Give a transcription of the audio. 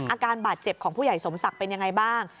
อาการบาดเจ็บของผู้ใหญ่สมศักดิ์เป็นยังไงบ้าง